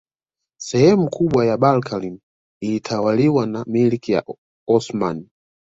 Sehemu kubwa ya Balkani ilitawaliwa na milki ya Osmani